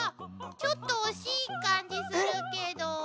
ちょっと惜しい感じするけど。